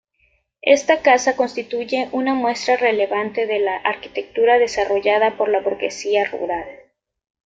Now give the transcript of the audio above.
Esta casa constituye una muestra relevante de la arquitectura desarrollada por la burguesía rural.